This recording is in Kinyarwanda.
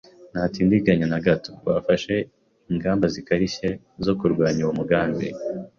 Ntatindiganya na gato, bafashe ingamba zikarishye zo kurwanya uwo mugambi.